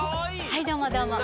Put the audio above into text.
はいどうも。